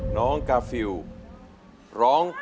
น้องกาฟิลร้อง